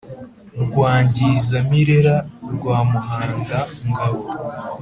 Rwangizamirera rwa Muhandangabo